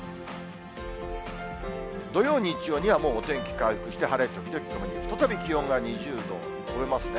土曜、日曜にはもうお天気回復して、晴れ時々曇り、再び気温が２０度超えますね。